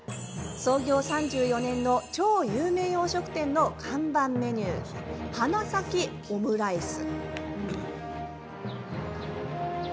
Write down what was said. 創業３４年の超有名洋食店の看板メニュー「花咲きオムライス」。